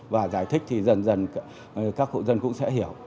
và giải thích thì dần dần các hộ dân cũng sẽ hiểu